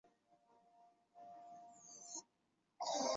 下关穴是属于足阳明胃经的腧穴。